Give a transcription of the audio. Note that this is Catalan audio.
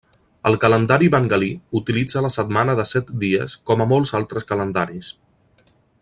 El calendari bengalí utilitza la setmana de set dies com a molts altres calendaris.